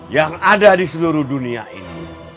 yang ada di seluruh dunia ini